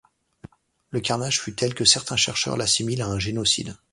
Le carnage fut tel que certains chercheurs l'assimilent a un génocide.